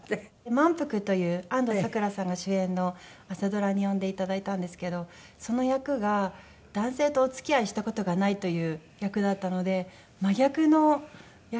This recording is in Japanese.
『まんぷく』という安藤サクラさんが主演の朝ドラに呼んでいただいたんですけどその役が男性とお付き合いした事がないという役だったので真逆の役で。